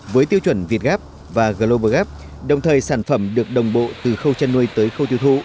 với tiêu chuẩn việt gap và global gap đồng thời sản phẩm được đồng bộ từ khâu chăn nuôi tới khâu tiêu thụ